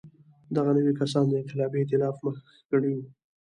دغه نوي کسان د انقلابي اېتلاف مخکښ غړي وو.